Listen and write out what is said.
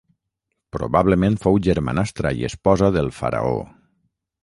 Probablement fou germanastra i esposa del faraó.